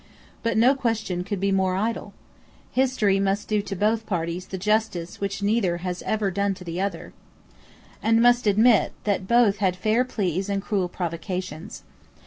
But no question could be more idle. History must do to both parties the justice which neither has ever done to the other, and must admit that both had fair pleas and cruel provocations.